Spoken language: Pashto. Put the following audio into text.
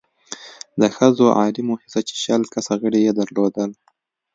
د ښځو عالي مؤسسه چې شل کسه غړې يې درلودل،